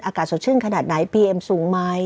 อากาศสดชื่นขนาดไหนพีเอ็มสูงไหม